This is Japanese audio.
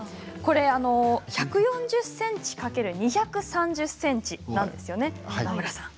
１４０ｃｍ×２３０ｃｍなんですね。